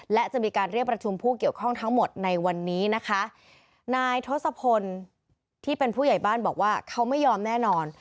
และจะมีการเรียกประชุมผู้เกี่ยวข้องทั้งหมดในวันนี้นะคะนายทศพลที่เป็นผู้ใหญ่บ้านบอกว่าเขาไม่ยอมแน่นอน